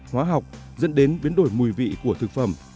hóa học dẫn đến biến đổi mùi vị của thực phẩm